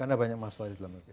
karena banyak masalah